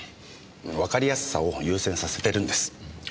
わかりやすさを優先させてるんです。